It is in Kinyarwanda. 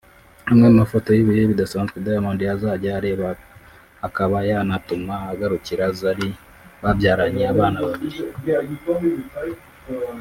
Amwe mu mafoto y’ibihe bidasanzwe Diamond azanjya areba akaba yanatuma agarukira Zari babyaranye abana babiri